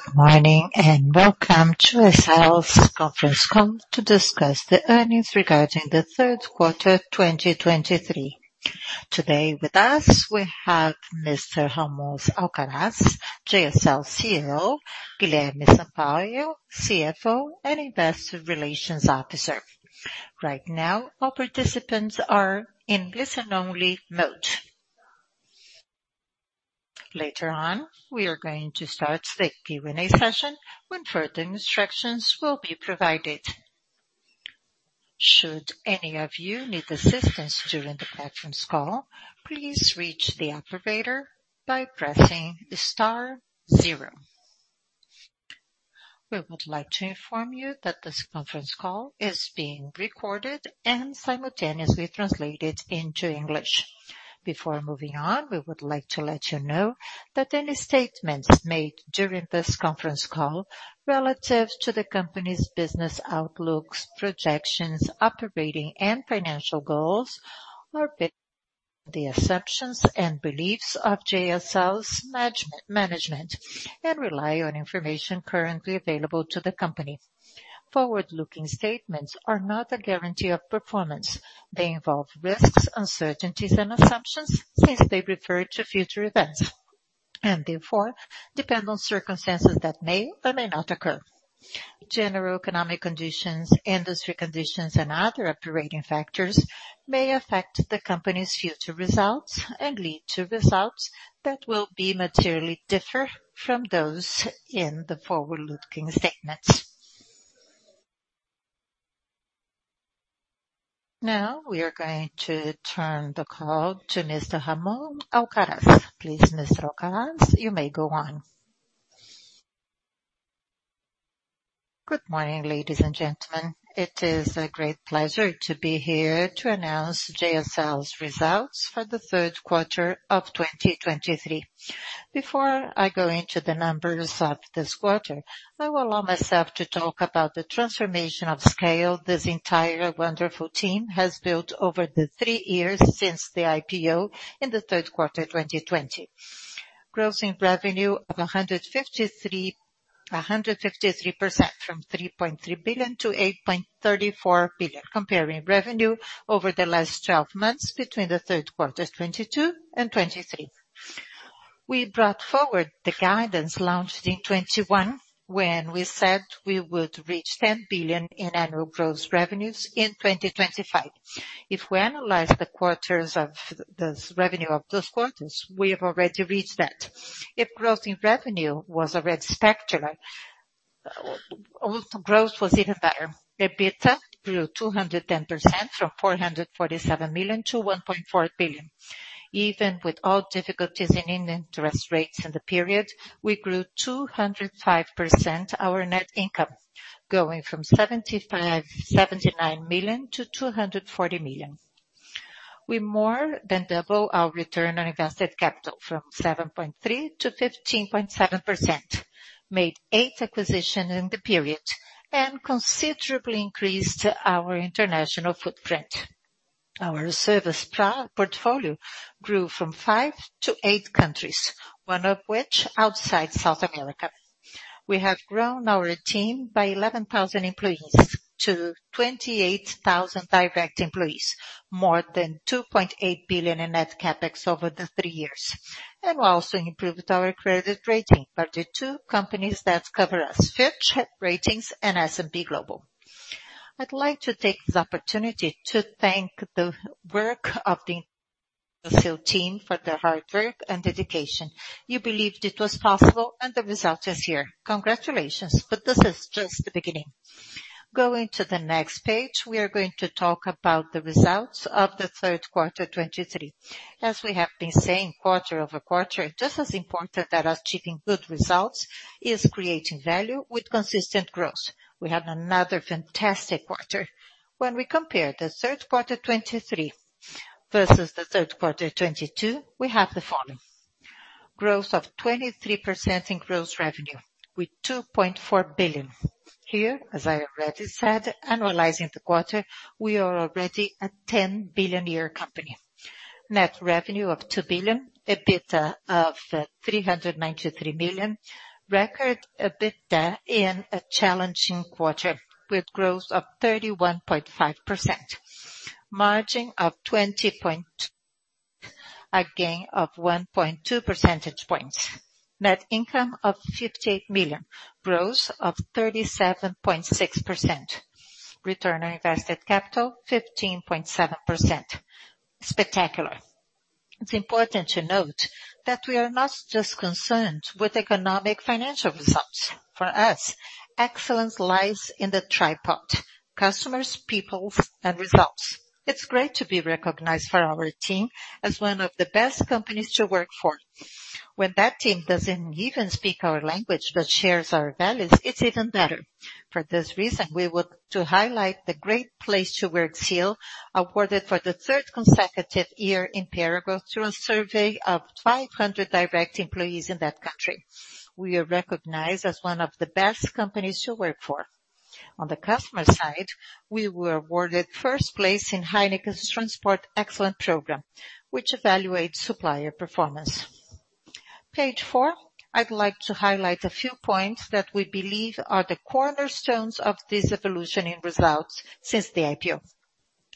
Good morning, and welcome to JSL's conference call to discuss the earnings regarding the third quarter, 2023. Today with us, we have Mr. Ramon Alcaraz, JSL CEO, Guilherme Sampaio, CFO, and Investor Relations Officer. Right now, all participants are in listen-only mode. Later on, we are going to start the Q&A session when further instructions will be provided. Should any of you need assistance during the conference call, please reach the operator by pressing star zero. We would like to inform you that this conference call is being recorded and simultaneously translated into English. Before moving on, we would like to let you know that any statements made during this conference call relative to the company's business outlooks, projections, operating, and financial goals are based on the assumptions and beliefs of JSL's management, and rely on information currently available to the company. Forward-looking statements are not a guarantee of performance. They involve risks, uncertainties, and assumptions, since they refer to future events, and therefore depend on circumstances that may or may not occur. General economic conditions, industry conditions, and other operating factors may affect the company's future results and lead to results that will be materially differ from those in the forward-looking statements. Now, we are going to turn the call to Mr. Ramon Alcaraz. Please, Mr. Alcaraz, you may go on. Good morning, ladies and gentlemen. It is a great pleasure to be here to announce JSL's results for the third quarter of 2023. Before I go into the numbers of this quarter, I will allow myself to talk about the transformation of scale this entire wonderful team has built over the three years since the IPO in the third quarter, 2020. Growth in revenue of 153%, from 3.3 billion-8.34 billion, comparing revenue over the last 12 months between the third quarter 2022 and 2023. We brought forward the guidance launched in 2021, when we said we would reach 10 billion in annual gross revenues in 2025. If we analyze the quarters of the revenue of those quarters, we have already reached that. If growth in revenue was already spectacular, growth was even better. EBITDA grew 210% from 447 million-1.4 billion. Even with all difficulties in interest rates in the period, we grew 205% our net income, going from 75.79 million to 240 million. We more than doubled our return on invested capital from 7.3%-15.7%, made eight acquisitions in the period, and considerably increased our international footprint. Our services portfolio grew from five to eight countries, one of which outside South America. We have grown our team by 11,000 employees to 28,000 direct employees, more than 2.8 billion in Net CapEx over the three years, and we also improved our credit rating by the two companies that cover us, Fitch Ratings and S&P Global. I'd like to take this opportunity to thank the work of the JSL team for their hard work and dedication. You believed it was possible, and the result is here. Congratulations, but this is just the beginning. Going to the next page, we are going to talk about the results of the third quarter 2023. As we have been saying, quarter-over-quarter, just as important that achieving good results is creating value with consistent growth. We had another fantastic quarter. When we compare the third quarter 2023 versus the third quarter 2022, we have the following: Growth of 23% in gross revenue with 2.4 billion. Here, as I already said, analyzing the quarter, we are already a 10 billion-year company. Net revenue of 2 billion, EBITDA of 393 million. Record EBITDA in a challenging quarter with growth of 31.5%. Margin of 20%, a gain of 1.2 percentage points. Net income of 58 million, growth of 37.6%. Return on invested capital 15.7%. Spectacular! It's important to note that we are not just concerned with economic financial results. For us, excellence lies in the tripod, customers, peoples, and results. It's great to be recognized for our team as one of the best companies to work for. When that team doesn't even speak our language, but shares our values, it's even better. For this reason, we want to highlight the Great Place to Work seal, awarded for the third consecutive year in Paraguay, through a survey of 500 direct employees in that country. We are recognized as one of the best companies to work for. On the customer side, we were awarded first place in Heineken's Transport Excellence Program, which evaluates supplier performance. Page four, I'd like to highlight a few points that we believe are the cornerstones of this evolution in results since the IPO.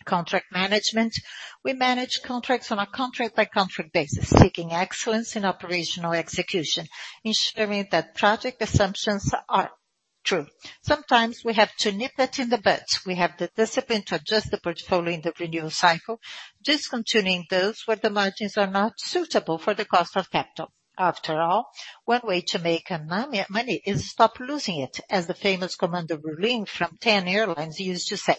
Contract management. We manage contracts on a contract-by-contract basis, seeking excellence in operational execution, ensuring that project assumptions are true. Sometimes we have to nip it in the buds. We have the discipline to adjust the portfolio in the renewal cycle, discontinuing those where the margins are not suitable for the cost of capital. After all, one way to make money is stop losing it, as the famous Commander Rolim from TAM Airlines used to say.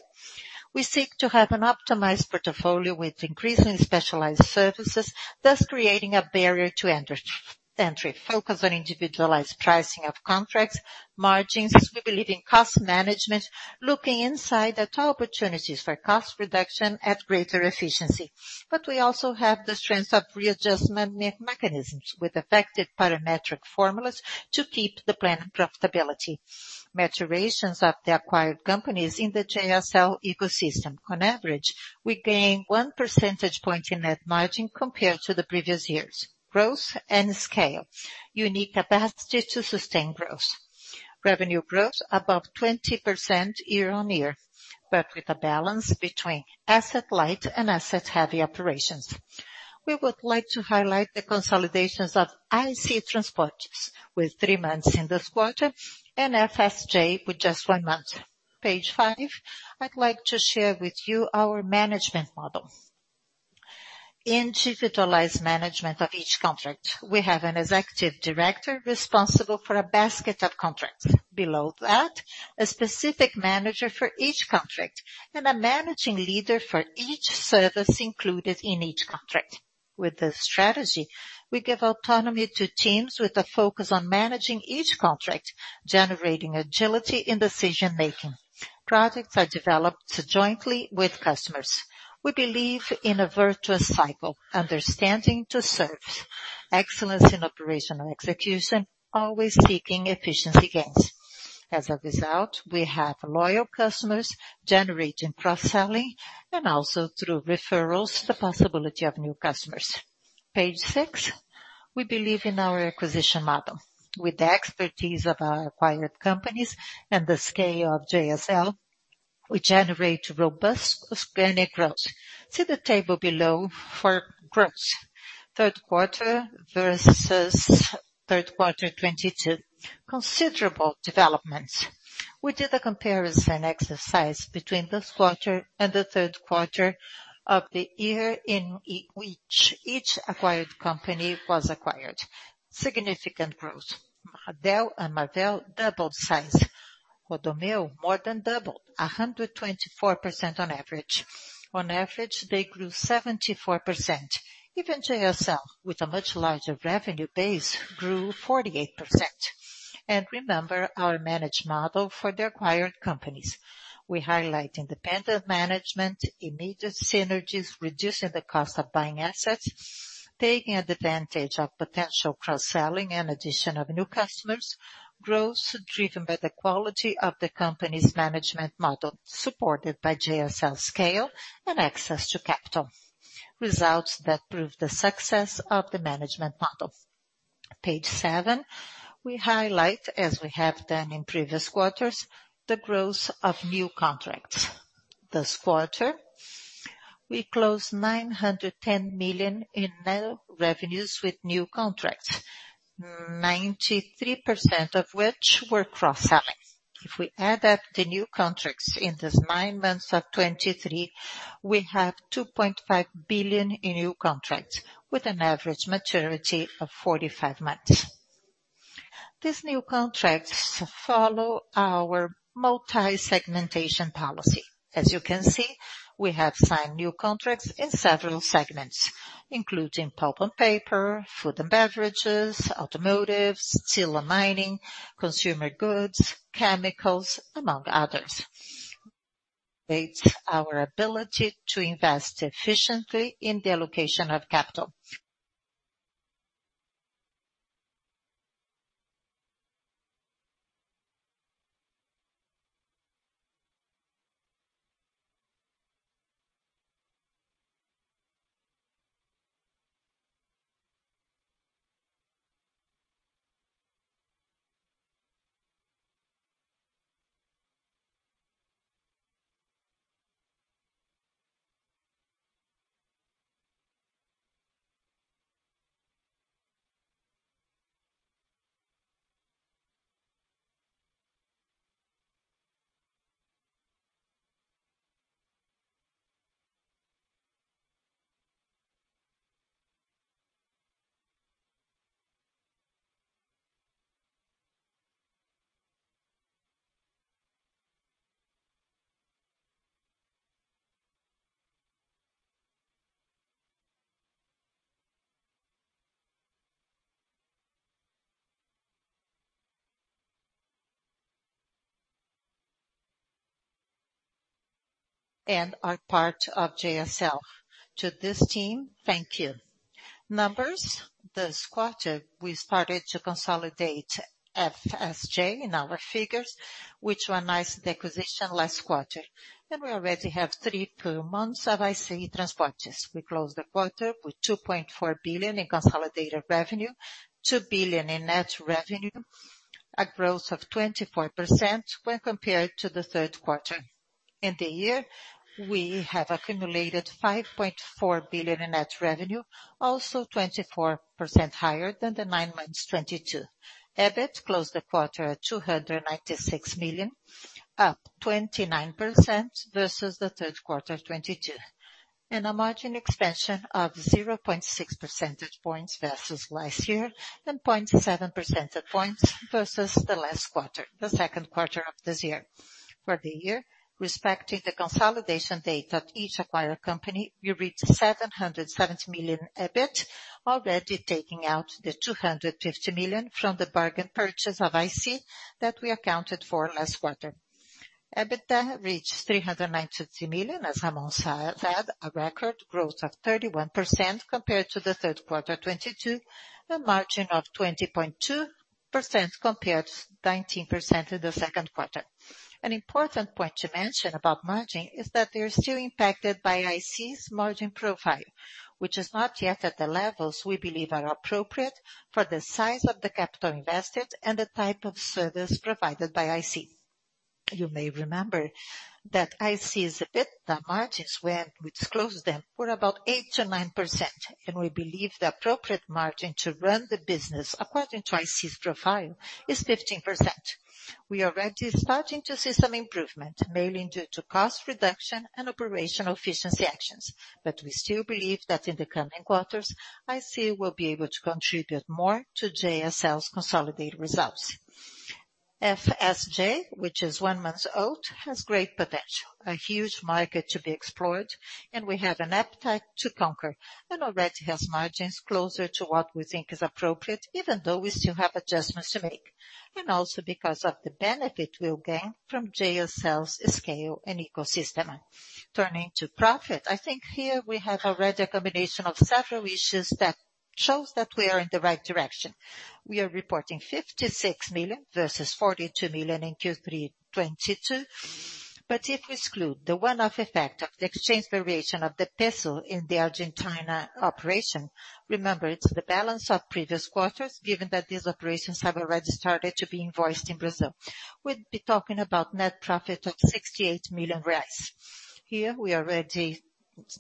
We seek to have an optimized portfolio with increasingly specialized services, thus creating a barrier to entry. Focus on individualized pricing of contracts, margins. We believe in cost management, looking inside at all opportunities for cost reduction at greater efficiency. But we also have the strength of readjustment mechanisms with effective parametric formulas to keep the planned profitability. Maturations of the acquired companies in the JSL ecosystem. On average, we gain one percentage point in net margin compared to the previous years. Growth and scale, unique capacity to sustain growth. Revenue growth above 20% year-on-year, but with a balance between asset-light and asset-heavy operations. We would like to highlight the consolidations of IC Transportes, with three months in this quarter, and FSJ with just one month. Page five, I'd like to share with you our management model. Individualized management of each contract. We have an executive director responsible for a basket of contracts. Below that, a specific manager for each contract, and a managing leader for each service included in each contract. With this strategy, we give autonomy to teams with a focus on managing each contract, generating agility in decision-making. Projects are developed jointly with customers. We believe in a virtuous cycle, understanding to serve excellence in operational execution, always seeking efficiency gains. As a result, we have loyal customers generating cross-selling and also, through referrals, the possibility of new customers. Page six, we believe in our acquisition model. With the expertise of our acquired companies and the scale of JSL, we generate robust organic growth. See the table below for growth. Third quarter versus third quarter 2022, considerable developments. We did a comparison exercise between this quarter and the third quarter of the year in which each acquired company was acquired. Significant growth. Mardel and Mardel doubled size. Rodomeu more than doubled, 124% on average. On average, they grew 74%. Even JSL, with a much larger revenue base, grew 48%. Remember our managed model for the acquired companies. We highlight independent management, immediate synergies, reducing the cost of buying assets, taking advantage of potential cross-selling and addition of new customers, growth driven by the quality of the company's management model, supported by JSL scale and access to capital. Results that prove the success of the management model. Page seven, we highlight, as we have done in previous quarters, the growth of new contracts. This quarter, we closed 910 million in net revenues with new contracts, 93% of which were cross-selling. If we add up the new contracts in these nine months of 2023, we have 2.5 billion in new contracts, with an average maturity of 45 months. These new contracts follow our multi-segmentation policy. As you can see, we have signed new contracts in several segments, including pulp and paper, food and beverages, automotives, steel and mining, consumer goods, chemicals, among others. It's our ability to invest efficiently in the allocation of capital.... and are part of JSL. To this team, thank you. Numbers, this quarter, we started to consolidate FSJ in our figures, which were a nice acquisition last quarter, and we already have three full months of IC Transportes. We closed the quarter with 2.4 billion in consolidated revenue, 2 billion in net revenue, a growth of 24% when compared to the third quarter. In the year, we have accumulated 5.4 billion in net revenue, also 24% higher than the nine months 2022. EBIT closed the quarter at 296 million, up 29% versus the third quarter of 2022, and a margin expansion of 0.6 percentage points versus last year, and 0.7 percentage points versus the last quarter, the second quarter of this year. For the year, respecting the consolidation date of each acquired company, we reached 770 million EBIT, already taking out the 250 million from the bargain purchase of IC that we accounted for last quarter. EBITDA reached 393 million, as Ramon said, a record growth of 31% compared to the third quarter 2022, a margin of 20.2% compared to 19% in the second quarter. An important point to mention about margin is that they are still impacted by IC's margin profile, which is not yet at the levels we believe are appropriate for the size of the capital invested and the type of service provided by IC. You may remember that IC's EBITDA margins, when we disclosed them, were about 8%-9%, and we believe the appropriate margin to run the business, according to IC's profile, is 15%. We are already starting to see some improvement, mainly due to cost reduction and operational efficiency actions, but we still believe that in the coming quarters, IC will be able to contribute more to JSL's consolidated results. FSJ, which is one month old, has great potential, a huge market to be explored, and we have an appetite to conquer, and already has margins closer to what we think is appropriate, even though we still have adjustments to make, and also because of the benefit we'll gain from JSL's scale and ecosystem. Turning to profit, I think here we have already a combination of several issues that shows that we are in the right direction. We are reporting 56 million versus 42 million in Q3 2022. But if we exclude the one-off effect of the exchange variation of the peso in the Argentina operation, remember, it's the balance of previous quarters, given that these operations have already started to be invoiced in Brazil. We'd be talking about net profit of 68 million reais. Here, we already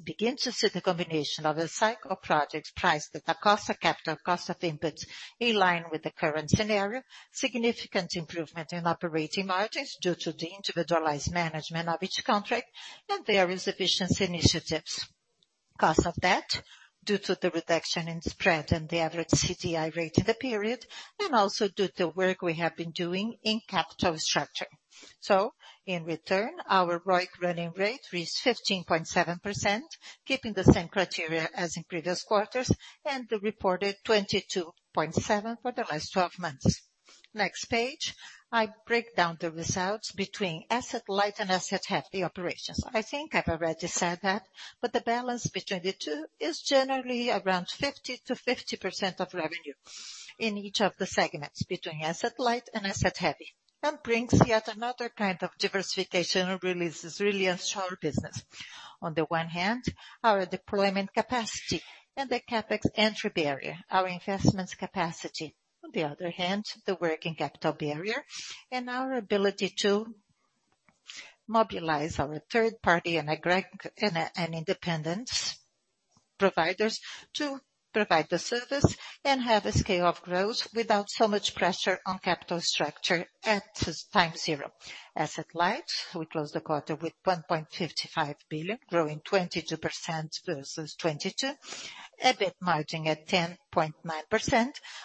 begin to see the combination of a cycle project priced at the cost of capital, cost of input, in line with the current scenario, significant improvement in operating margins due to the individualized management of each contract, and various efficiency initiatives. Cost of debt, due to the reduction in spread and the average CDI rate in the period, and also due to work we have been doing in capital structure. So in return, our ROIC running rate reached 15.7%, keeping the same criteria as in previous quarters, and we reported 22.7% for the last 12 months. Next page, I break down the results between asset-light and asset-heavy operations. I think I've already said that, but the balance between the two is generally around 50%-50% of revenue in each of the segments between asset-light and asset-heavy, and brings yet another kind of diversification and releases really a stronger business. On the one hand, our deployment capacity and the CapEx entry barrier, our investments capacity. On the other hand, the working capital barrier and our ability to mobilize our third-party and independent providers to provide the service and have a scale of growth without so much pressure on capital structure at time zero. Asset-light, we closed the quarter with 1.55 billion, growing 22% versus 2022. EBIT margin at 10.9%,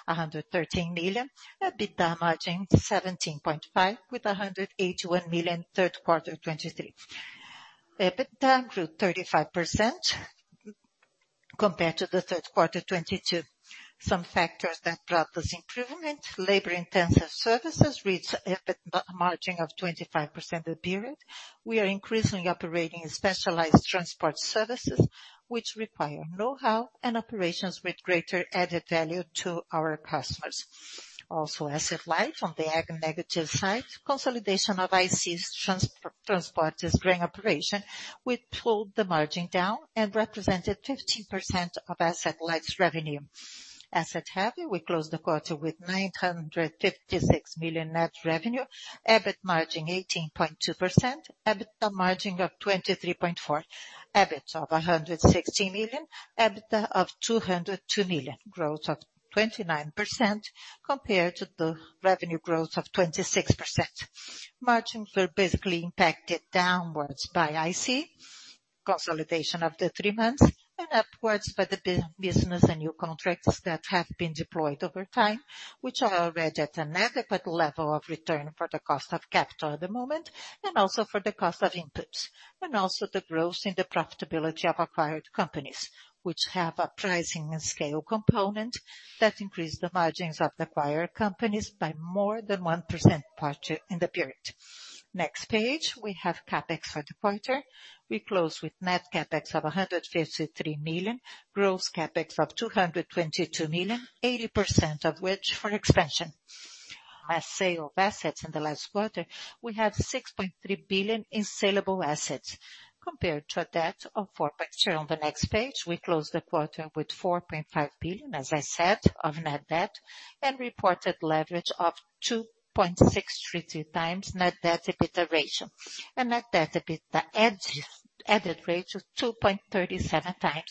113 million. EBITDA margin, 17.5% with 181 million, third quarter 2023. EBITDA grew 35% compared to the third quarter 2022. Some factors that brought this improvement: labor-intensive services reached EBIT margin of 25% that period. We are increasingly operating in specialized transport services, which require know-how and operations with greater added value to our customers. Also, asset-light, on the ag negative side, consolidation of IC Transportes' grain operation, which pulled the margin down and represented 15% of asset-light's revenue. Asset-heavy, we closed the quarter with 956 million net revenue, EBIT margin 18.2%, EBITDA margin of 23.4%, EBIT of 160 million, EBITDA of 202 million, growth of 29% compared to the revenue growth of 26%. Margins were basically impacted downwards by IC, consolidation of the three months, and upwards by the business and new contracts that have been deployed over time, which are already at an adequate level of return for the cost of capital at the moment, and also for the cost of inputs, and also the growth in the profitability of acquired companies, which have a pricing and scale component that increased the margins of the acquired companies by more than 1 percentage point in the period. Next page, we have CapEx for the quarter. We close with net CapEx of 153 million, gross CapEx of 222 million, 80% of which for expansion. As sale of assets in the last quarter, we have 6.3 billion in saleable assets, compared to a debt of 4.0 billion. On the next page, we close the quarter with 4.5 billion, as I said, of net debt, and reported leverage of 2.632x net debt EBITDA ratio. Net debt EBITDA adjusted rate of 2.37x,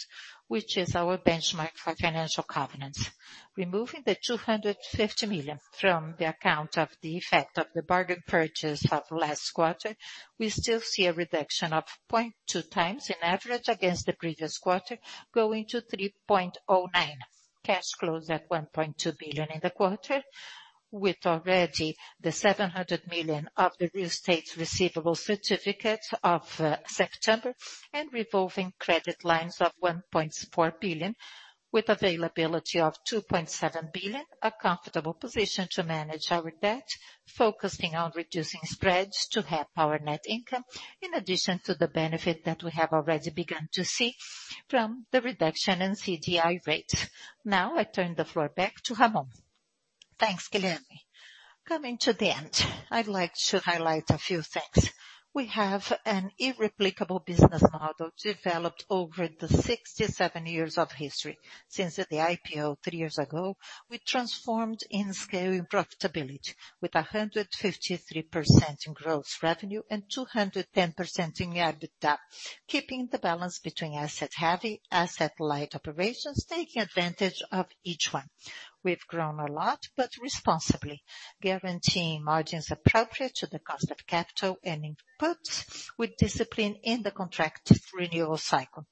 which is our benchmark for financial covenants. Removing the 250 million from the account of the effect of the bargain purchase of last quarter, we still see a reduction of 0.2x in average against the previous quarter, going to 3.09. Cash closed at 1.2 billion in the quarter, with already the 700 million of the real estate's receivable certificate of September, and revolving credit lines of 1.4 billion, with availability of 2.7 billion. A comfortable position to manage our debt, focusing on reducing spreads to help our net income, in addition to the benefit that we have already begun to see from the reduction in CDI rate. Now, I turn the floor back to Ramon. Thanks, Guilherme. Coming to the end, I'd like to highlight a few things. We have an irreplaceable business model developed over the 67 years of history. Since the IPO three years ago, we transformed in scale and profitability, with 153% in gross revenue and 210% in EBITDA, keeping the balance between asset-heavy, asset-light operations, taking advantage of each one. We've grown a lot, but responsibly, guaranteeing margins appropriate to the cost of capital and inputs, with discipline in the contract renewal cycle.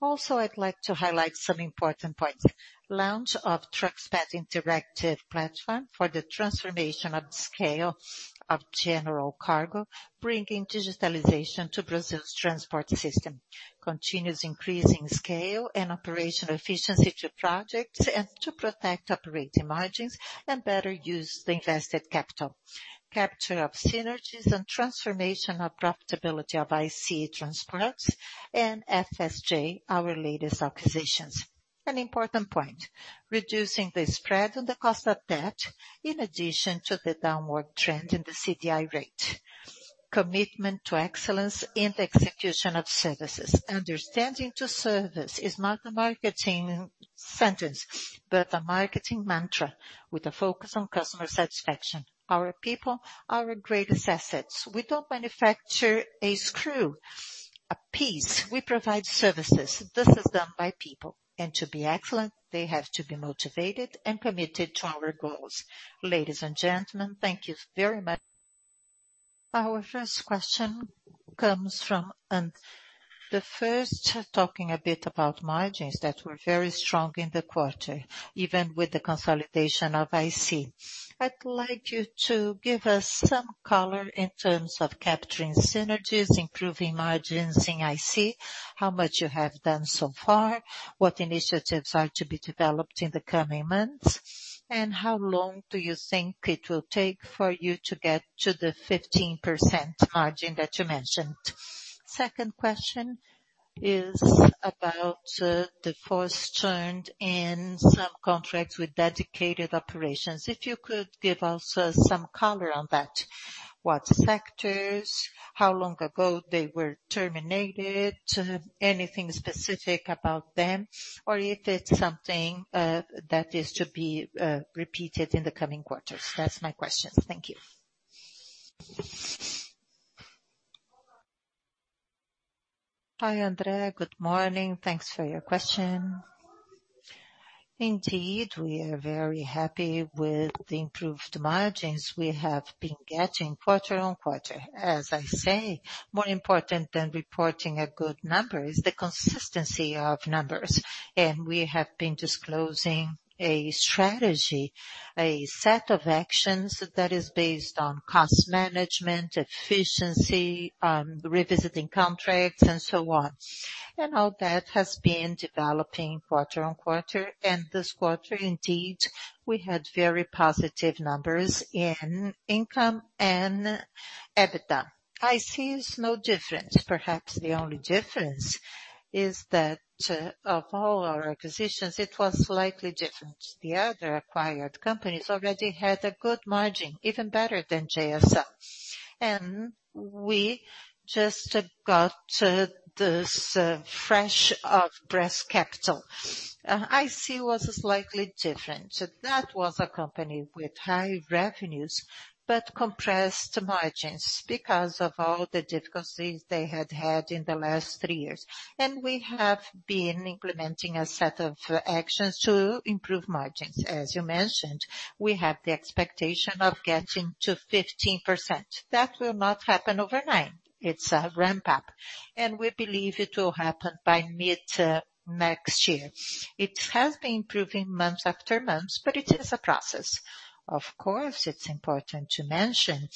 Also, I'd like to highlight some important points. Launch of TruckPad interactive platform for the transformation of scale of general cargo, bringing digitalization to Brazil's transport system. Continuous increasing scale and operational efficiency to projects, and to protect operating margins and better use the invested capital. Capture of synergies and transformation of profitability of IC Transportes and FSJ, our latest acquisitions. An important point, reducing the spread and the cost of debt, in addition to the downward trend in the CDI rate. Commitment to excellence in the execution of services. Understanding to service is not a marketing sentence, but a marketing mantra with a focus on customer satisfaction. Our people are our greatest assets. We don't manufacture a screw, a piece, we provide services. This is done by people, and to be excellent, they have to be motivated and committed to our goals. Ladies and gentlemen, thank you very much. Our first question comes from—And the first, talking a bit about margins that were very strong in the quarter, even with the consolidation of IC. I'd like you to give us some color in terms of capturing synergies, improving margins in IC, how much you have done so far, what initiatives are to be developed in the coming months, and how long do you think it will take for you to get to the 15% margin that you mentioned? Second question is about, the force turned in some contracts with dedicated operations. If you could give also some color on that, what sectors, how long ago they were terminated, anything specific about them, or if it's something that is to be repeated in the coming quarters? That's my question. Thank you. Hi, Andrea. Good morning. Thanks for your question. Indeed, we are very happy with the improved margins we have been getting quarter-on-quarter. As I say, more important than reporting a good number is the consistency of numbers, and we have been disclosing a strategy, a set of actions that is based on cost management, efficiency, revisiting contracts, and so on. All that has been developing quarter-on-quarter, and this quarter, indeed, we had very positive numbers in income and EBITDA. IC is no different. Perhaps the only difference is that of all our acquisitions, it was slightly different. The other acquired companies already had a good margin, even better than JSL. We just got this fresh off the press capital. IC was slightly different. That was a company with high revenues, but compressed margins because of all the difficulties they had had in the last three years. We have been implementing a set of actions to improve margins. As you mentioned, we have the expectation of getting to 15%. That will not happen overnight. It's a ramp-up, and we believe it will happen by mid next year. It has been improving month after month, but it is a process. Of course, it's important to mention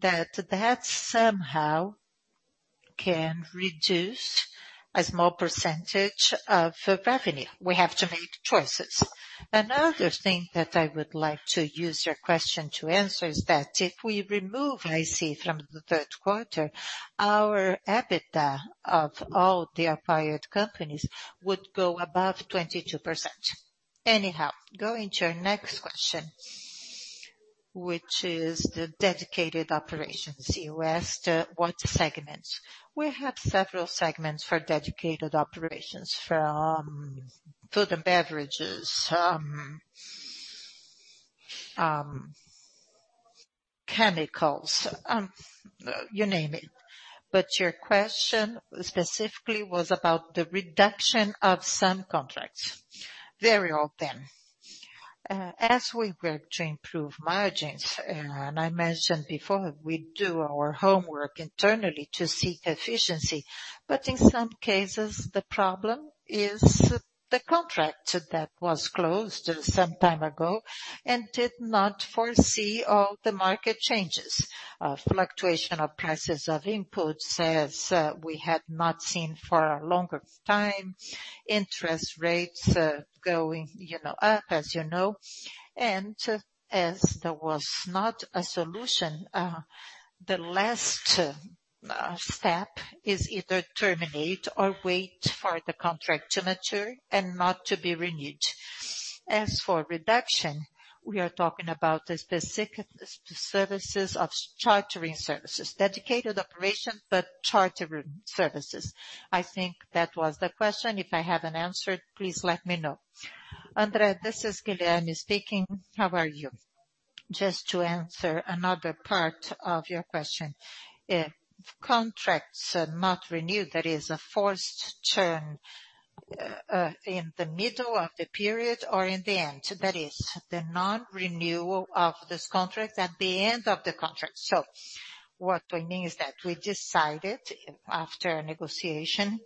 that that somehow can reduce a small percentage of revenue. We have to make choices. Another thing that I would like to use your question to answer is that if we remove IC from the third quarter, our EBITDA of all the acquired companies would go above 22%. Anyhow, going to your next question, which is the dedicated operations. You asked what segments? We have several segments for dedicated operations, from food and beverages, chemicals, you name it. But your question specifically was about the reduction of some contracts, very old them. As we work to improve margins, and I mentioned before, we do our homework internally to seek efficiency. But in some cases, the problem is the contract that was closed some time ago and did not foresee all the market changes. Fluctuation of prices of inputs, as we had not seen for a longer time, interest rates going, you know, up, as you know, and as there was not a solution, the last step is either terminate or wait for the contract to mature and not to be renewed. As for reduction, we are talking about the specific services of chartering services, dedicated operations, but chartering services. I think that was the question. If I haven't answered, please let me know. Andrea, this is Guilherme speaking. How are you? Just to answer another part of your question. If contracts are not renewed, there is a forced turn in the middle of the period or in the end. That is the non-renewal of this contract at the end of the contract. So what I mean is that we decided after a negotiation,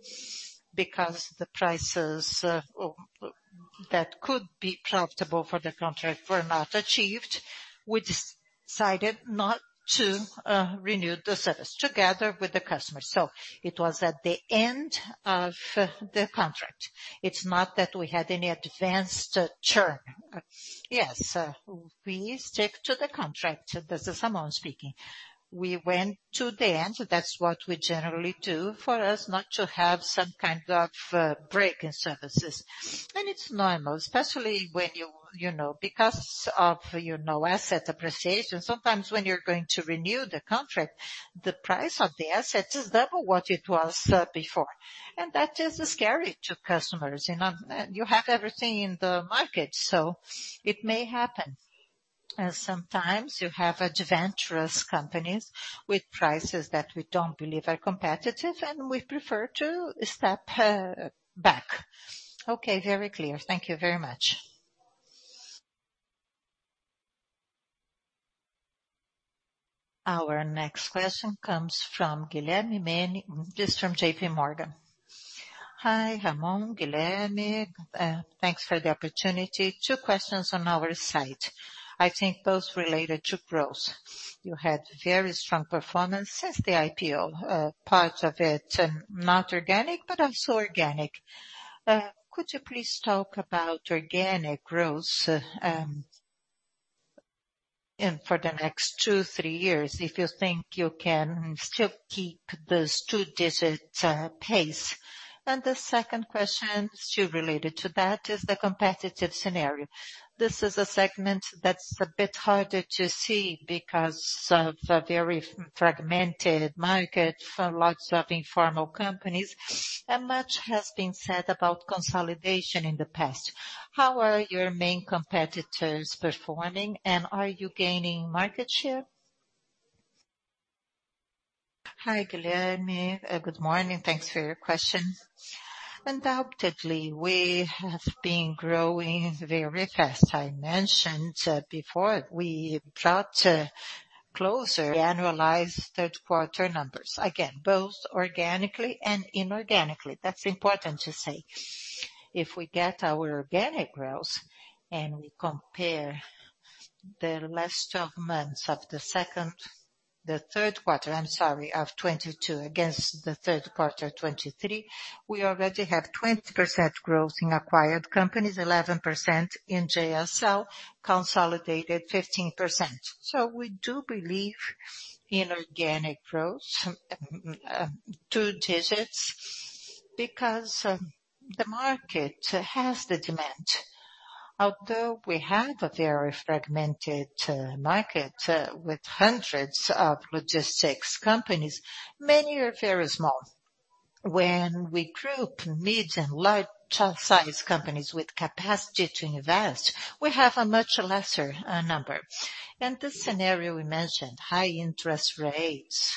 because the prices that could be profitable for the contract were not achieved, we decided not to renew the service together with the customer. So it was at the end of the contract. It's not that we had any advanced turn. Yes, we stick to the contract. This is Ramon speaking. We went to the end. That's what we generally do for us, not to have some kind of break in services. And it's normal, especially when you, you know, because of, you know, asset appreciation, sometimes when you're going to renew the contract, the price of the asset is double what it was before, and that is scary to customers. You know, you have everything in the market, so it may happen. Sometimes you have adventurous companies with prices that we don't believe are competitive, and we prefer to step back. Okay, very clear. Thank you very much. Our next question comes from Guilherme Mendes from JPMorgan. Hi, Ramon, Guilherme, thanks for the opportunity. Two questions on our side, I think both related to growth. You had very strong performance since the IPO, part of it, not organic, but also organic. Could you please talk about organic growth, and for the next two, three years, if you think you can still keep this two-digit pace? And the second question, still related to that, is the competitive scenario. This is a segment that's a bit harder to see because of a very fragmented market for lots of informal companies, and much has been said about consolidation in the past. How are your main competitors performing, and are you gaining market share? Hi, Guilherme. Good morning. Thanks for your question. Undoubtedly, we have been growing very fast. I mentioned before, we brought closer annualized third quarter numbers. Again, both organically and inorganically. That's important to say. If we get our organic growth and we compare the last 12 months of the second, the third quarter, I'm sorry, of 2022 against the third quarter of 2023, we already have 20% growth in acquired companies, 11% in JSL, consolidated 15%. So we do believe in organic growth, two digits, because the market has the demand. Although we have a very fragmented market with hundreds of logistics companies, many are very small.... when we group mid and large size companies with capacity to invest, we have a much lesser number. This scenario we mentioned, high interest rates,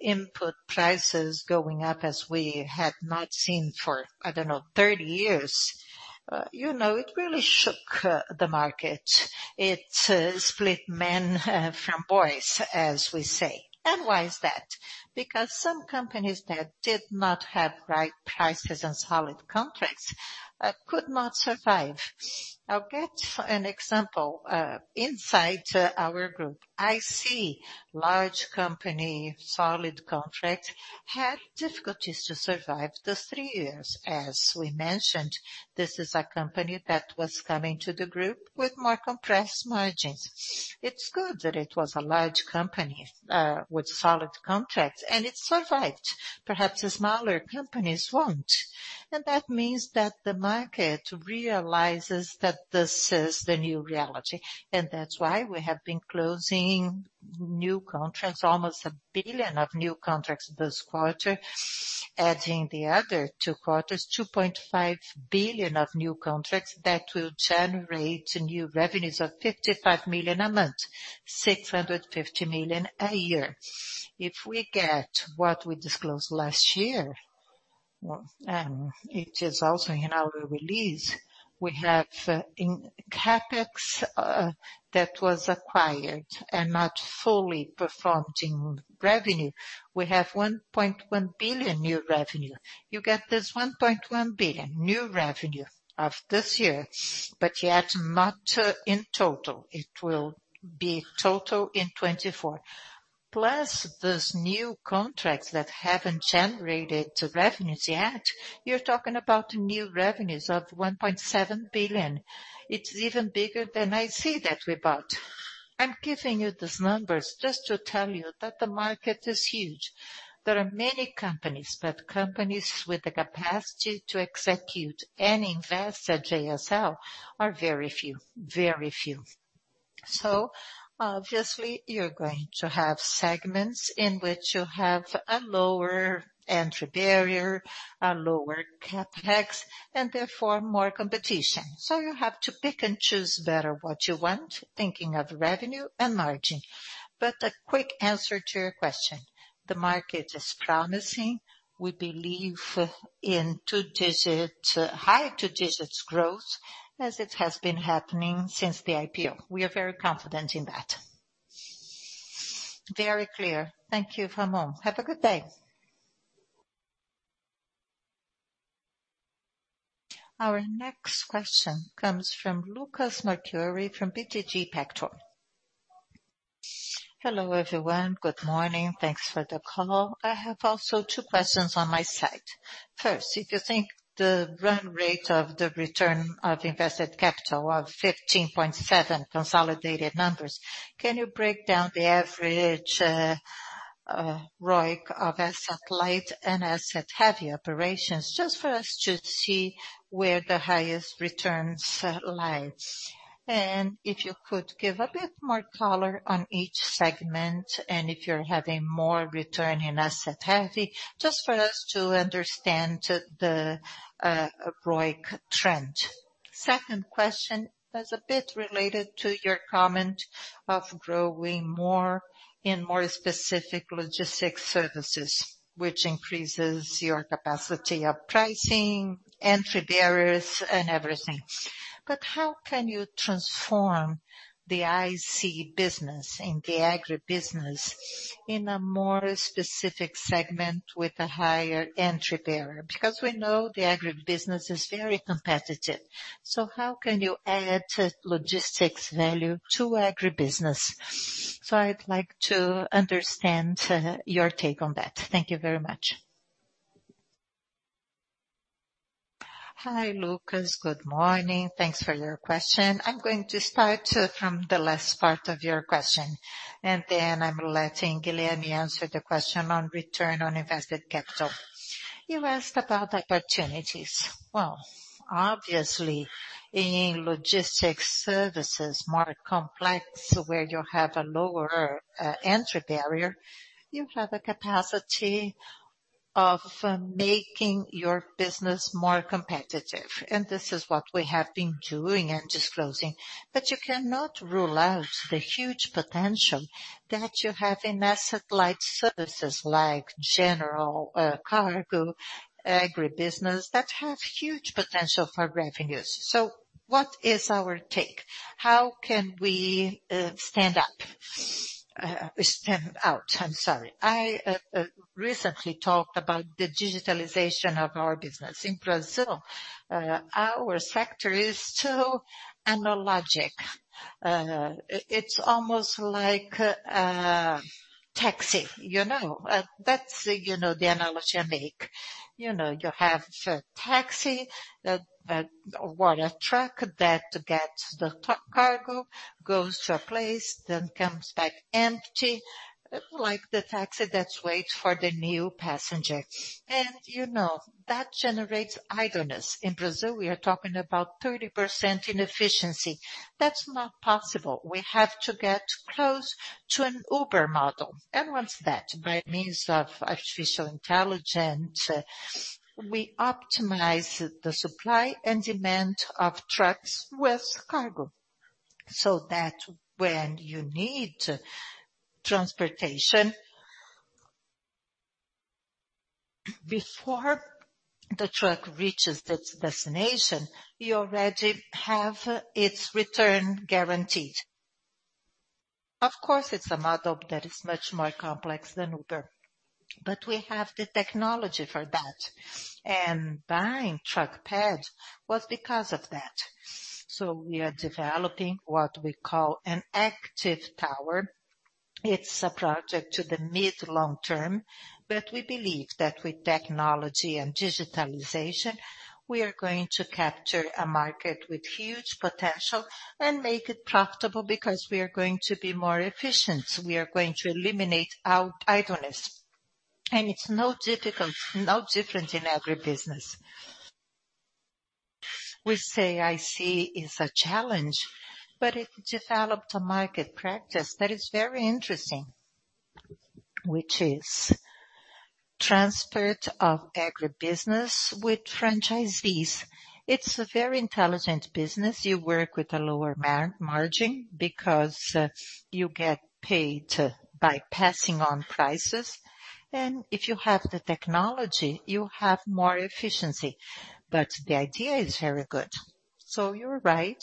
input prices going up as we had not seen for, I don't know, 30 years, you know, it really shook the market. It split men from boys, as we say. And why is that? Because some companies that did not have right prices and solid contracts could not survive. Now, get an example inside our group. I see large company, solid contract, had difficulties to survive those three years. As we mentioned, this is a company that was coming to the group with more compressed margins. It's good that it was a large company with solid contracts, and it survived. Perhaps the smaller companies won't. That means that the market realizes that this is the new reality, and that's why we have been closing new contracts, almost 1 billion of new contracts this quarter. Adding the other two quarters, 2.5 billion of new contracts that will generate new revenues of 55 million a month, 650 million a year. If we get what we disclosed last year, well, it is also in our release, we have, in CapEx, that was acquired and not fully performed in revenue, we have 1.1 billion new revenue. You get this 1.1 billion new revenue of this year, but yet not, in total. It will be total in 2024. Plus, this new contracts that haven't generated the revenues yet, you're talking about new revenues of 1.7 billion. It's even bigger than I see that we bought. I'm giving you these numbers just to tell you that the market is huge. There are many companies, but companies with the capacity to execute and invest at JSL are very few, very few. So obviously, you're going to have segments in which you have a lower entry barrier, a lower CapEx, and therefore more competition. So you have to pick and choose better what you want, thinking of revenue and margin. But a quick answer to your question: the market is promising. We believe in two digits, high two digits growth, as it has been happening since the IPO. We are very confident in that. Very clear. Thank you, Ramon. Have a good day. Our next question comes from Lucas Marquiori, from BTG Pactual. Hello, everyone. Good morning. Thanks for the call. I have also two questions on my side. First, if you think the run rate of the return of invested capital of 15.7 consolidated numbers, can you break down the average ROIC of asset light and asset heavy operations, just for us to see where the highest returns lies? And if you could give a bit more color on each segment, and if you're having more return in asset heavy, just for us to understand the ROIC trend. Second question is a bit related to your comment of growing more and more specific logistics services, which increases your capacity of pricing, entry barriers, and everything. But how can you transform the IC business and the agri business in a more specific segment with a higher entry barrier? Because we know the agri business is very competitive. So how can you add logistics value to agri business? So I'd like to understand, your take on that. Thank you very much. Hi, Lucas. Good morning. Thanks for your question. I'm going to start, from the last part of your question, and then I'm letting Guilherme answer the question on return on invested capital. You asked about opportunities. Well, obviously, in logistics services, more complex, where you have a lower, entry barrier, you have a capacity of making your business more competitive, and this is what we have been doing and disclosing. But you cannot rule out the huge potential that you have in asset-light services, like general, cargo, agri business, that have huge potential for revenues. So what is our take? How can we, stand out? I'm sorry. I, recently talked about the digitalization of our business. In Brazil, our sector is so analog. It's almost like a taxi, you know? That's, you know, the analogy I make. You know, you have a taxi that, or a truck that gets the cargo, goes to a place, then comes back empty, like the taxi that waits for the new passenger. And, you know, that generates idleness. In Brazil, we are talking about 30% inefficiency. That's not possible. We have to get close to an Uber model. And what's that? By means of artificial intelligence, we optimize the supply and demand of trucks with cargo, so that when you need transportation, before the truck reaches its destination, you already have its return guaranteed. Of course, it's a model that is much more complex than Uber, but we have the technology for that, and buying TruckPad was because of that. So we are developing what we call an active tower. It's a project to the mid-long term, but we believe that with technology and digitalization, we are going to capture a market with huge potential and make it profitable because we are going to be more efficient. We are going to eliminate our idleness, and it's not difficult, not different in agribusiness. We say IC is a challenge, but it developed a market practice that is very interesting, which is transport of agribusiness with franchisees. It's a very intelligent business. You work with a lower margin because you get paid by passing on prices, and if you have the technology, you have more efficiency. But the idea is very good. So you're right,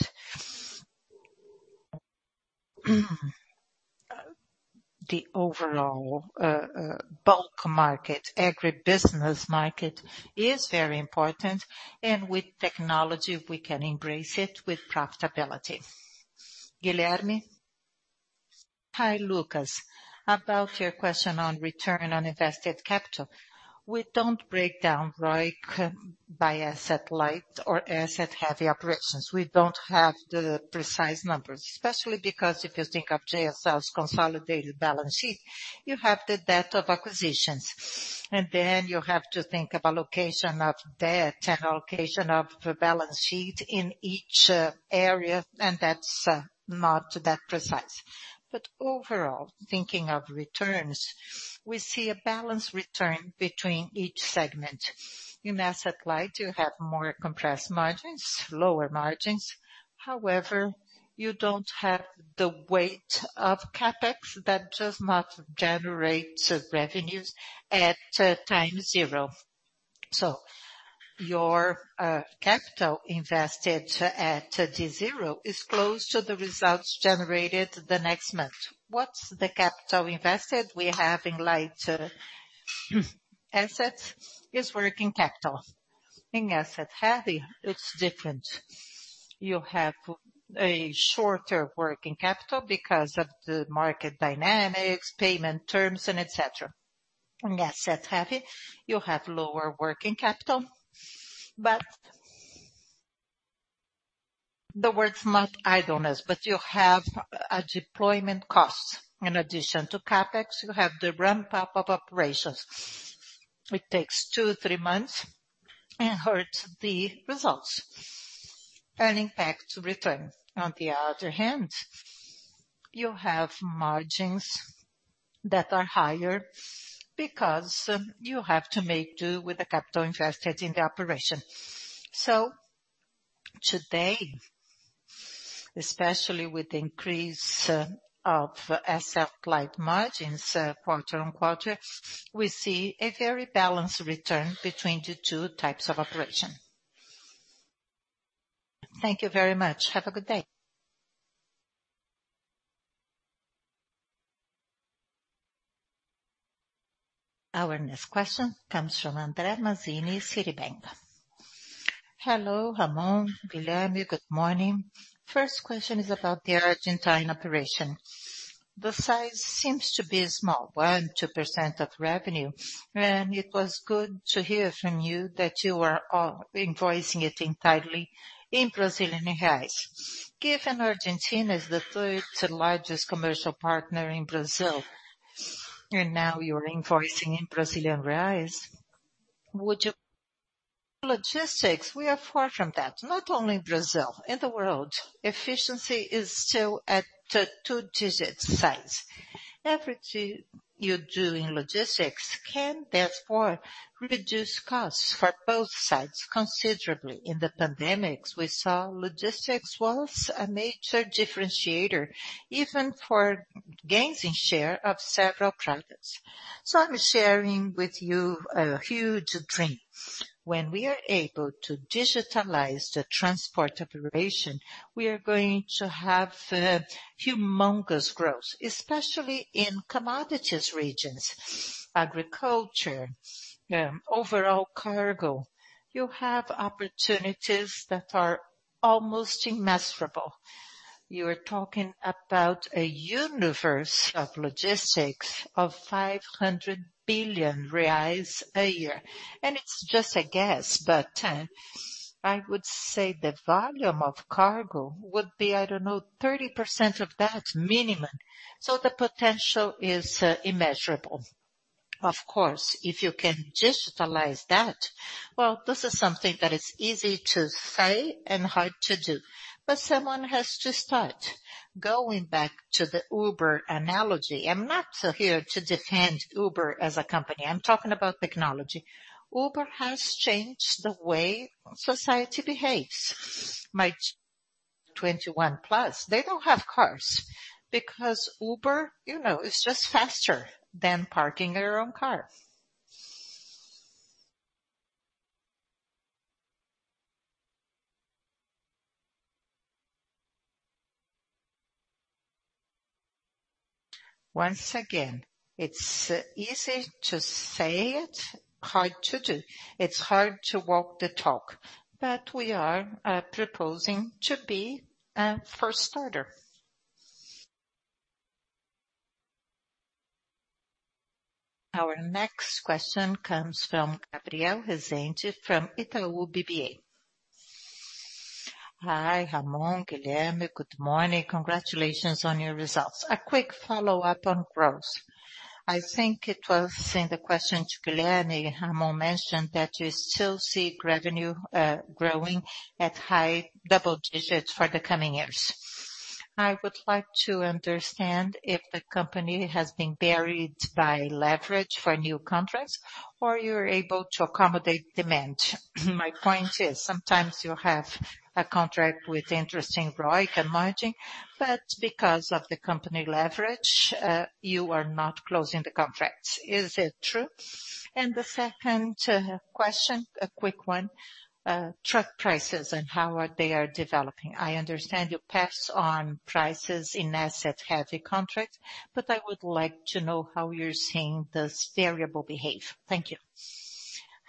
the overall bulk market, agribusiness market is very important, and with technology, we can embrace it with profitability. Guilherme? Hi, Lucas. About your question on return on invested capital, we don't break down ROIC by asset-light or asset-heavy operations. We don't have the precise numbers, especially because if you think of JSL's consolidated balance sheet, you have the debt of acquisitions, and then you have to think of allocation of debt and allocation of the balance sheet in each area, and that's not that precise. But overall, thinking of returns, we see a balanced return between each segment. In asset-light, you have more compressed margins, lower margins. However, you don't have the weight of CapEx that does not generate revenues at time zero. So your capital invested at D zero is close to the results generated the next month. What's the capital invested we have in light assets? Is working capital. In asset-heavy, it's different. You have a shorter working capital because of the market dynamics, payment terms, and et cetera. In asset-heavy, you have lower working capital, but the worst month idleness, but you have deployment costs. In addition to CapEx, you have the ramp-up of operations. It takes two, three months and hurts the results and impacts return. On the other hand, you have margins that are higher because you have to make do with the capital invested in the operation. So today, especially with the increase of asset-light margins quarter-over-quarter, we see a very balanced return between the two types of operation. Thank you very much. Have a good day. Our next question comes from André Mazini, Citigroup. Hello, Ramon, Guilherme. Good morning. First question is about the Argentine operation. The size seems to be a small one, 2% of revenue, and it was good to hear from you that you are invoicing it entirely in Brazilian reais. Given Argentina is the third largest commercial partner in Brazil, and now you're invoicing in Brazilian reais, would you? Logistics, we are far from that. Not only in Brazil, in the world, efficiency is still at two digits size. Everything you do in logistics can, therefore, reduce costs for both sides considerably. In the pandemics, we saw logistics was a major differentiator, even for gains in share of several products. So I'm sharing with you a huge dream. When we are able to digitalize the transport operation, we are going to have humongous growth, especially in commodities regions, agriculture, overall cargo. You have opportunities that are almost immeasurable. You are talking about a universe of logistics of 500 billion reais a year. It's just a guess, but I would say the volume of cargo would be, I don't know, 30% of that minimum. So the potential is immeasurable. Of course, if you can digitalize that, well, this is something that is easy to say and hard to do, but someone has to start. Going back to the Uber analogy, I'm not here to defend Uber as a company. I'm talking about technology. Uber has changed the way society behaves, 21+, they don't have cars because Uber, you know, is just faster than parking your own car. Once again, it's easy to say it, hard to do. It's hard to walk the talk, but we are proposing to be a first starter. Our next question comes from Gabriel Rezende, from Itaú BBA. Hi, Ramon, Guilherme. Good morning. Congratulations on your results. A quick follow-up on growth. I think it was in the question to Guilherme, Ramon mentioned that you still see revenue growing at high double digits for the coming years. I would like to understand if the company has been buried by leverage for new contracts, or you're able to accommodate demand. My point is, sometimes you have a contract with interesting ROIC and margin, but because of the company leverage, you are not closing the contracts. Is it true? And the second question, a quick one, truck prices and how they are developing. I understand you pass on prices in asset-heavy contracts, but I would like to know how you're seeing this variable behave. Thank you.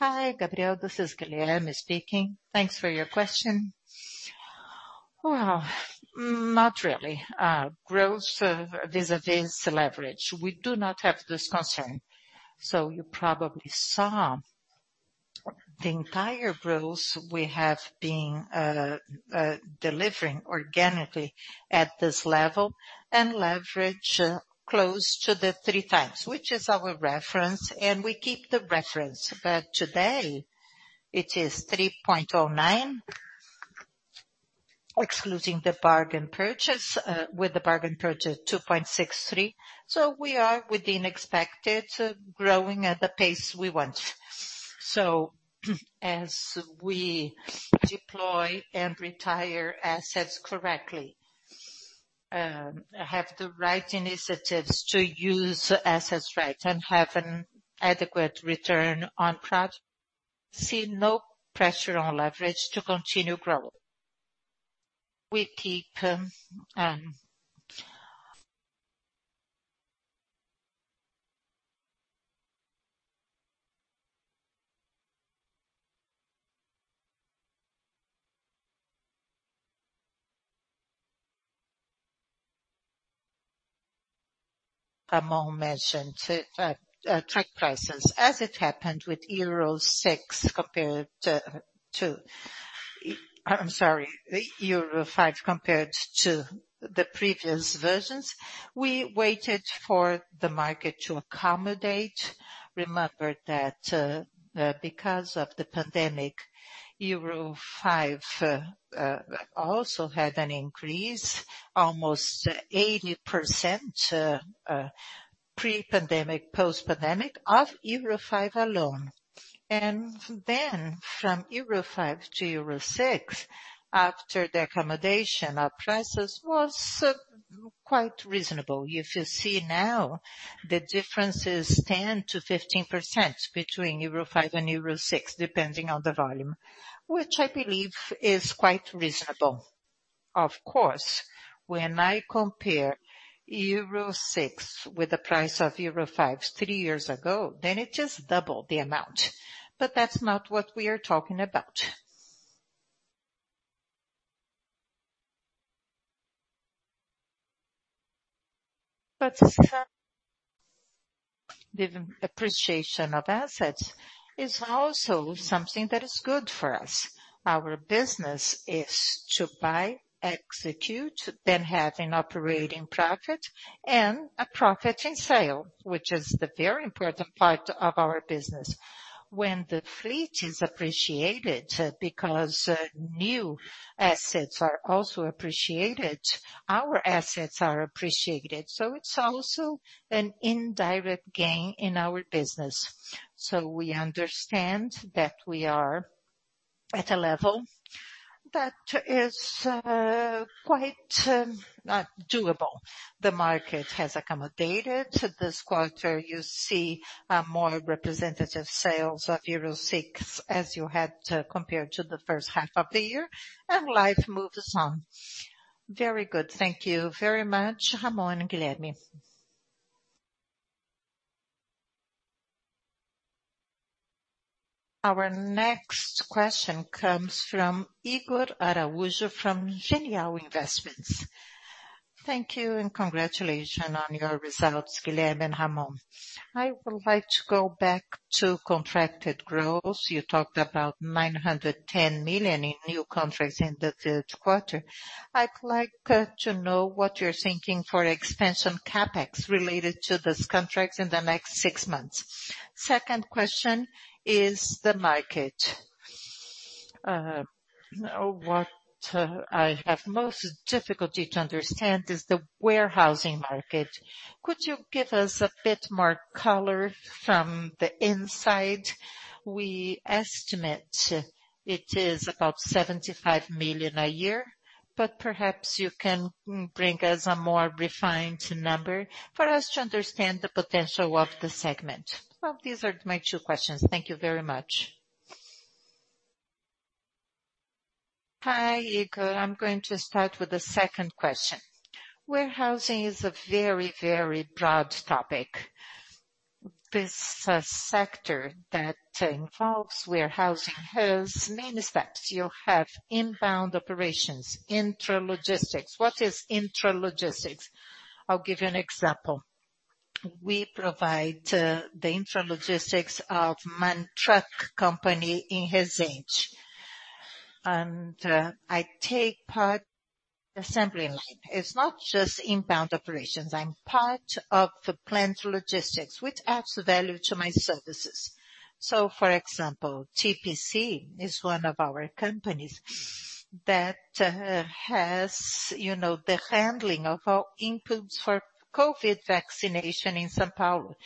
Hi, Gabrielle, this is Guilherme speaking. Thanks for your question. Well, not really. Growth, vis-a-vis leverage, we do not have this concern. So you probably saw the entire growth we have been delivering organically at this level, and leverage close to the 3x, which is our reference, and we keep the reference. But today, it is 3.09, excluding the bargain purchase, with the bargain purchase, 2.63. So we are within expected, growing at the pace we want. So as we deploy and retire assets correctly, have the right initiatives to use assets right and have an adequate return on prod, see no pressure on leverage to continue growth. We keep, Ramon mentioned truck prices. As it happened with Euro Six compared to, I'm sorry, Euro Five compared to the previous versions, we waited for the market to accommodate. Remember that, because of the pandemic, Euro Five also had an increase, almost 80%, pre-pandemic, post-pandemic, of Euro Five alone. And then from Euro Five to Euro Six, after the accommodation, our prices was quite reasonable. If you see now, the difference is 10%-15% between Euro Five and Euro Six, depending on the volume, which I believe is quite reasonable. Of course, when I compare Euro Six with the price of Euro Five three years ago, then it just doubled the amount. But that's not what we are talking about. But, the appreciation of assets is also something that is good for us. Our business is to buy, execute, then have an operating profit and a profit in sale, which is the very important part of our business. When the fleet is appreciated, because new assets are also appreciated, our assets are appreciated, so it's also an indirect gain in our business. So we understand that we are at a level that is quite doable. The market has accommodated. This quarter, you see, more representative sales of Euro Six, as you had compared to the first half of the year, and life moves on. Very good. Thank you very much, Ramon and Guilherme. Our next question comes from Igor Araujo, from Genial Investments. Thank you, and congratulations on your results, Guilherme and Ramon. I would like to go back to contracted growth. You talked about 910 million in new contracts in the third quarter. I'd like to know what you're thinking for expansion CapEx related to these contracts in the next six months. Second question is the market. What I have most difficulty to understand is the warehousing market. Could you give us a bit more color from the inside? We estimate it is about 75 million a year, but perhaps you can bring us a more refined number for us to understand the potential of the segment. Well, these are my two questions. Thank you very much. Hi, Igor. I'm going to start with the second question. Warehousing is a very, very broad topic. This sector that involves warehousing has many steps. You have inbound operations, intralogistics. What is intralogistics? I'll give you an example. We provide the intralogistics of MAN Truck company in Resende, and I take part assembly line. It's not just inbound operations, I'm part of the plant logistics, which adds value to my services. So, for example, TPC is one of our companies that has, you know, the handling of our inputs for COVID vaccination in São Paulo,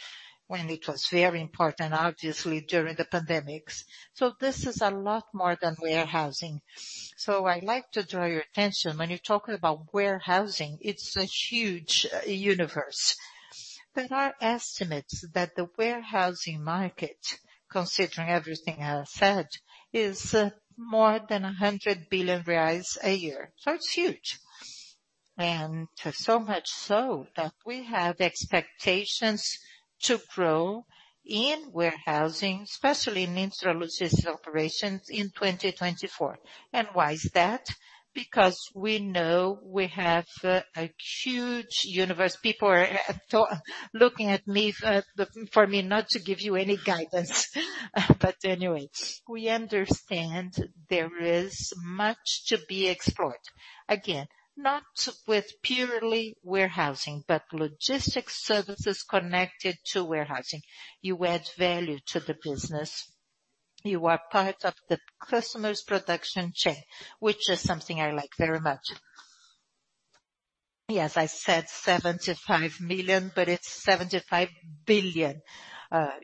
when it was very important, obviously, during the pandemics. So this is a lot more than warehousing. So I'd like to draw your attention, when you're talking about warehousing, it's a huge universe. There are estimates that the warehousing market, considering everything I have said, is more than 100 billion reais a year. So it's huge, and so much so that we have expectations to grow in warehousing, especially in intralogistics operations in 2024. And why is that? Because we know we have a huge universe. People are talking, looking at me for me not to give you any guidance. But anyway, we understand there is much to be explored. Again, not with purely warehousing, but logistics services connected to warehousing. You add value to the business. You are part of the customer's production chain, which is something I like very much. Yes, I said 75 million, but it's 75 billion.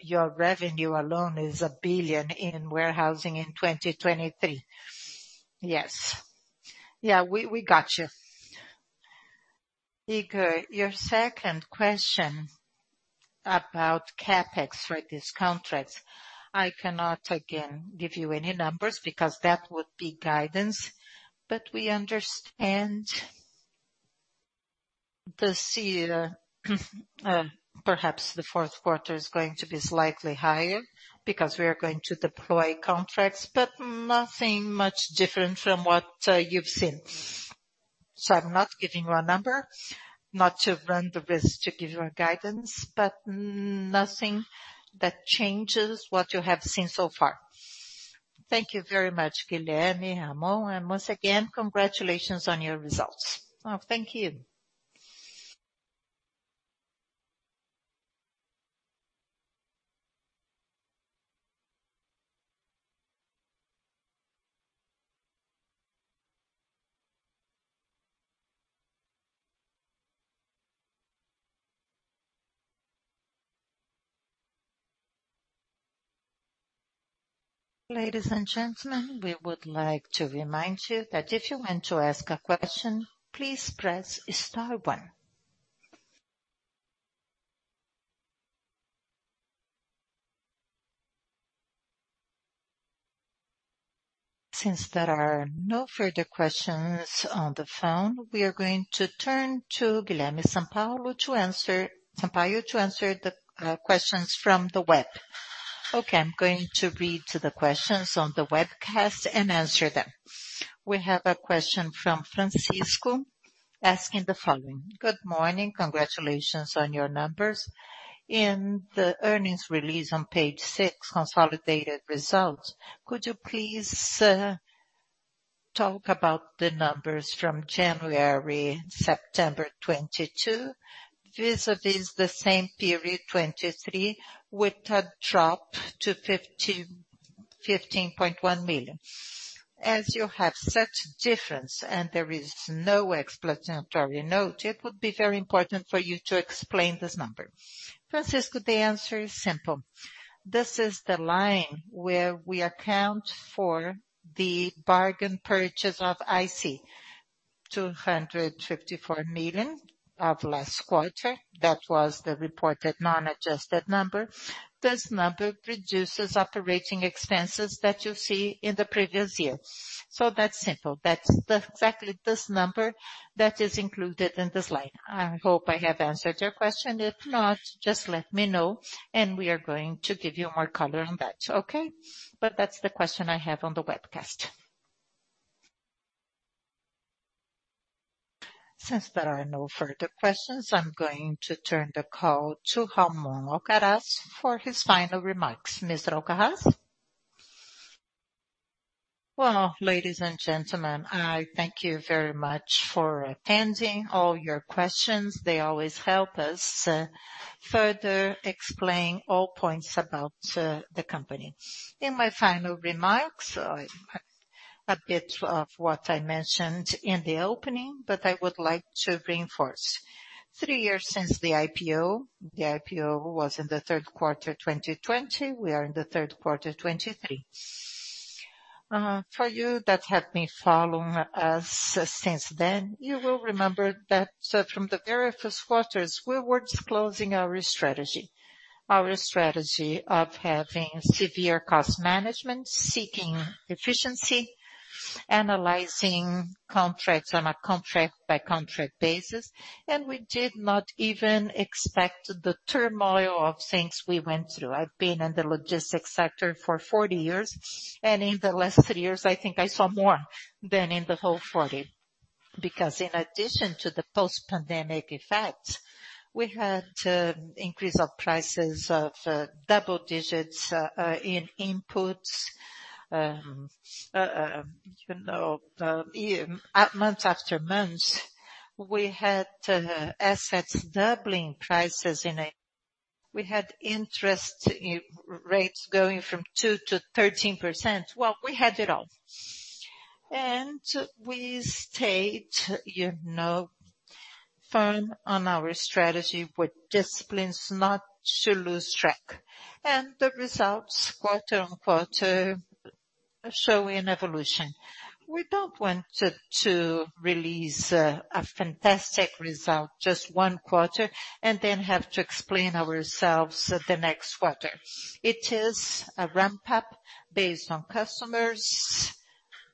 Your revenue alone is 1 billion in warehousing in 2023. Yes. Yeah, we, we got you. Igor, your second question about CapEx for these contracts. I cannot, again, give you any numbers because that would be guidance, but we understand this year, perhaps the fourth quarter is going to be slightly higher because we are going to deploy contracts, but nothing much different from what you've seen. So I'm not giving you a number, not to run the risk to give you a guidance, but nothing that changes what you have seen so far. Thank you very much, Guilherme, Ramon, and once again, congratulations on your results. Oh, thank you. Ladies and gentlemen, we would like to remind you that if you want to ask a question, please press star one. Since there are no further questions on the phone, we are going to turn to Guilherme Sampaio, to answer—Sampaio, to answer the questions from the web. Okay, I'm going to read the questions on the webcast and answer them. We have a question from Francisco asking the following: "Good morning. Congratulations on your numbers. In the earnings release on page 6, consolidated results, could you please talk about the numbers from January-September 2022 vis-a-vis the same period, 2023, with a drop to 51.5 million. As you have such difference and there is no explanatory note, it would be very important for you to explain this number." Francisco, the answer is simple. This is the line where we account for the bargain purchase of IC, 254 million of last quarter. That was the reported non-adjusted number. This number reduces operating expenses that you see in the previous year. So that's simple. That's exactly this number that is included in the slide. I hope I have answered your question. If not, just let me know, and we are going to give you more color on that, okay? But that's the question I have on the webcast. Since there are no further questions, I'm going to turn the call to Ramon Alcaraz for his final remarks. Mr. Alcaraz? Well, ladies and gentlemen, I thank you very much for attending all your questions. They always help us further explain all points about the company. In my final remarks, a bit of what I mentioned in the opening, but I would like to reinforce. Three years since the IPO, the IPO was in the third quarter, 2020. We are in the third quarter, 2023. For you that have been following us since then, you will remember that, from the very first quarters, we were disclosing our strategy. Our strategy of having severe cost management, seeking efficiency, analyzing contracts on a contract-by-contract basis, and we did not even expect the turmoil of things we went through. I've been in the logistics sector for 40 years, and in the last three years, I think I saw more than in the whole 40. Because in addition to the post-pandemic effects, we had increase of prices of double digits in inputs. You know, yeah, month after month, we had assets doubling prices in a... We had interest rates going from 2%-13%. Well, we had it all. And we stayed, you know, firm on our strategy with disciplines not to lose track. And the results, quarter on quarter, are showing evolution. We don't want to release a fantastic result just 1 quarter and then have to explain ourselves the next quarter. It is a ramp-up based on customers,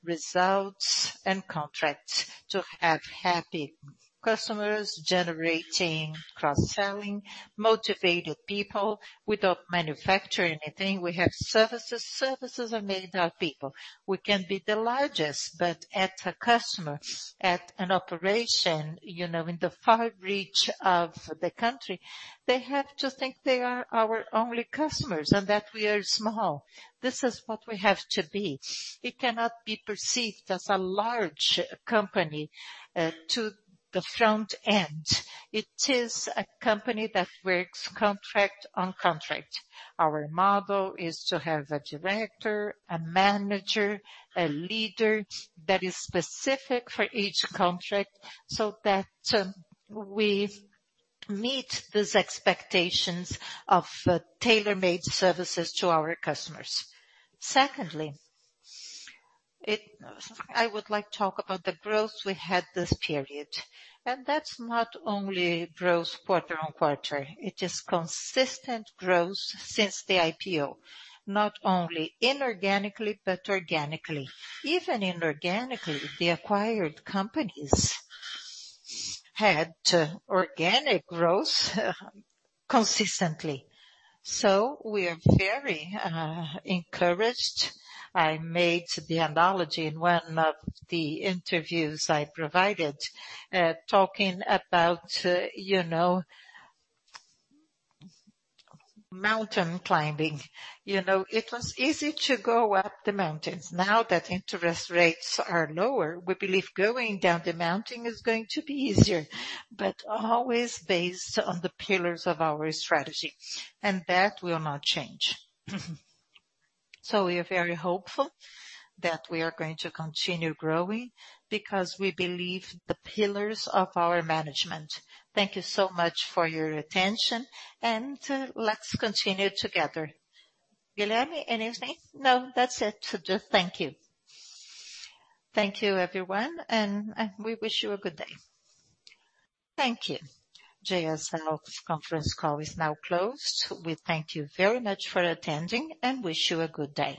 results, and contracts to have happy customers generating cross-selling, motivated people. We don't manufacture anything, we have services. Services are made of people. We can be the largest, but at a customer, at an operation, you know, in the far reach of the country, they have to think they are our only customers and that we are small. This is what we have to be. It cannot be perceived as a large company to the front end. It is a company that works contract on contract. Our model is to have a director, a manager, a leader that is specific for each contract, so that we meet these expectations of tailor-made services to our customers. Secondly, I would like to talk about the growth we had this period, and that's not only growth quarter on quarter, it is consistent growth since the IPO. Not only inorganically, but organically. Even inorganically, the acquired companies had organic growth consistently. So we are very encouraged. I made the analogy in one of the interviews I provided, talking about, you know, mountain climbing. You know, it was easy to go up the mountains. Now that interest rates are lower, we believe going down the mountain is going to be easier, but always based on the pillars of our strategy, and that will not change. So we are very hopeful that we are going to continue growing because we believe the pillars of our management. Thank you so much for your attention, and, let's continue together. Guilherme, anything? No, that's it. Just thank you. Thank you, everyone, and, we wish you a good day. Thank you. JSL conference call is now closed. We thank you very much for attending and wish you a good day.